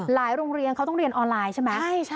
โรงเรียนเขาต้องเรียนออนไลน์ใช่ไหม